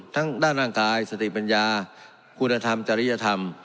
ทั้งด้านร่างกายสติปัญญาคุณธรรมจริยธรรม